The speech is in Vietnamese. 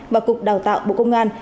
và cục đào tạo bộ công an